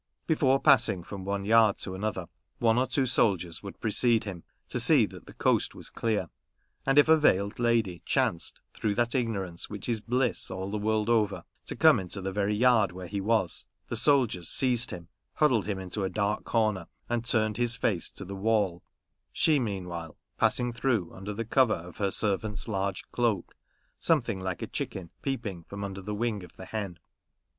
Before passing from one yard to another, one or two soldiers would precede him, to see that the coast was clear. * And if a veiled lady chanced, through that ignorance which is bliss all the world over, to come into the very yard where he was, the soldiers seized him, huddled him into a dark corner, and turned his face to the wall • she, mean while, passing through under the cover of her servant's large cloak, something like a chicken peeping from under the wing of the hen.